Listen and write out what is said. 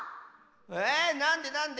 えなんでなんで？